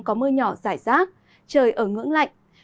có mưa nhỏ rải rác trời ở ngưỡng lạnh